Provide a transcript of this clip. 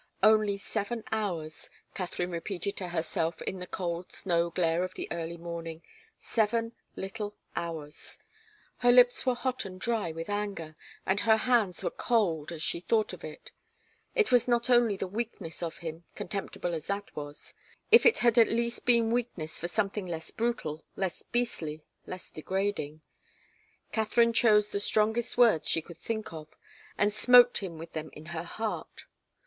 Only seven hours, Katharine repeated to herself in the cold snow glare of the early morning seven little hours; her lips were hot and dry with anger, and her hands were cold, as she thought of it. It was not only the weakness of him, contemptible as that was if it had at least been weakness for something less brutal, less beastly, less degrading. Katharine chose the strongest words she could think of, and smote him with them in her heart.